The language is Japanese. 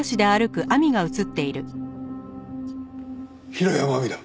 平山亜美だ。